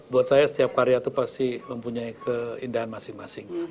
buat saya setiap karya itu pasti mempunyai keindahan masing masing